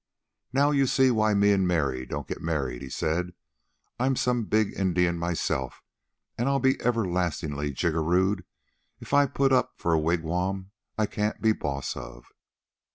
"Now you see why me an' Mary don't get married," he said. "I'm some big Indian myself, an' I'll be everlastingly jiggerooed if I put up for a wigwam I can't be boss of."